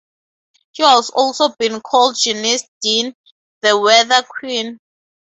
She has also been called "Janice Dean, the Weather Queen".